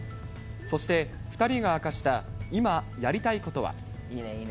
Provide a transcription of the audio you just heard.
そして２人が明かした、今やりたいことは。